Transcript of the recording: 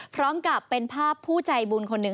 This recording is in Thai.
พร้อมกับเป็นภาพผู้ใจบุญคนหนึ่ง